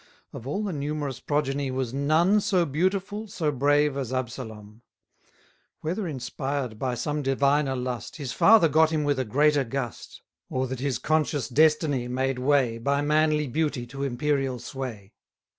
Of all the numerous progeny was none So beautiful, so brave, as Absalom: Whether inspired by some diviner lust, His father got him with a greater gust; 20 Or that his conscious destiny made way, By manly beauty to imperial sway.